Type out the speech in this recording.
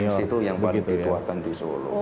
lima mc itu yang paling dituakan di solo